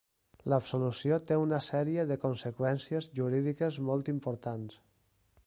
L'absolució té una sèrie de conseqüències jurídiques molt importants.